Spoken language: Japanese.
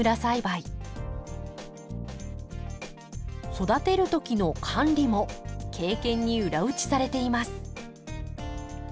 育てる時の管理も経験に裏打ちされています。